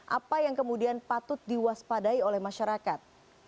apa yang kemudian patut diwaspadai oleh masyarakat